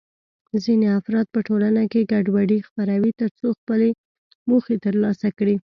ځینې افراد په ټولنه کې ګډوډي خپروي ترڅو خپلې موخې ترلاسه کړي.